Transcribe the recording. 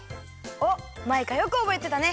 おっマイカよくおぼえてたね。